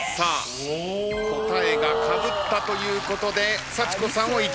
答えがかぶったということで幸子さんを１位にしました。